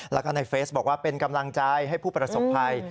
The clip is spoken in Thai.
แล้วก็ในเฟซบอกว่าเป็นกำลังใจให้ผู้ประสบภัย